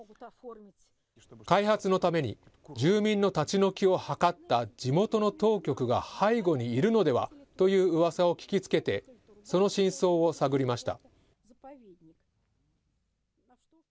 開発のために、住民の立ち退きを謀った地元の当局が背後にいるのではといううわさを聞きつけて、その真相を探りました。